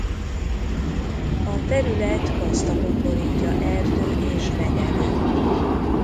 A terület gazdagon borítja erdő és legelő.